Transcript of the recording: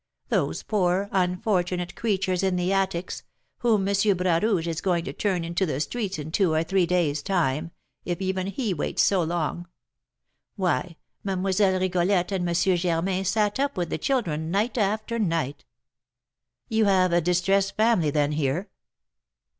Those poor, unfortunate creatures in the attics, whom M. Bras Rouge is going to turn into the streets in two or three days' time, if even he wait so long, why, Mlle. Rigolette and M. Germain sat up with the children night after night!" "You have a distressed family, then, here?"